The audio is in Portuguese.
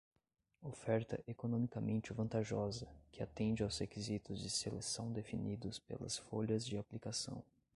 Oferta economicamente vantajosa, que atende aos requisitos de seleção definidos pelas folhas de aplicação.